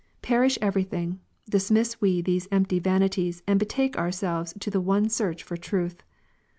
19. " Perish every thing, dismiss we these empty vanities, and betake ourselves to the one search for truth